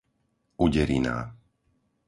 Uderiná